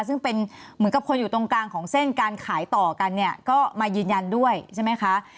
ซึ่งเป็นเหมือนกับคนอยู่ตรงกลางของเส้นการขายต่อกันเนี่ยก็มายืนยันด้วยใช่ไหมคะ